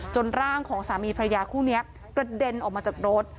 ร่างของสามีพระยาคู่นี้กระเด็นออกมาจากรถ